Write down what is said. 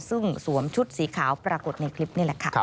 ซึ่งสวมชุดสีขาวปรากฏในคลิปนี่แหละค่ะ